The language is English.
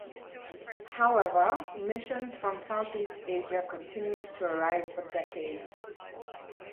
However, missions from Southeast Asia continued to arrive for decades.